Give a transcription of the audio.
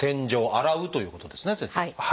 洗うということですね先生。